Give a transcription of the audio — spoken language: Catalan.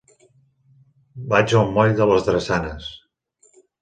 Vaig al moll de les Drassanes.